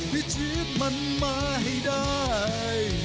พิชิตมันมาให้ได้